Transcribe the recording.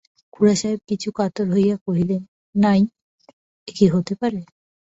খুড়াসাহেব কিছু কাতর হইয়া কহিলেন, নাই, এ কি হতে পারে?